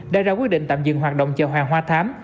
đã ra quyết định tạm dừng hoạt động chợ hoàng hoa thám